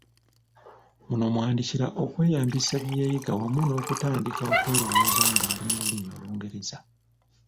Muno mw’andikira okweyambisa bye yayiga wamu n’okutandika okwelowooleza ng’ali mu lulimi olungereza.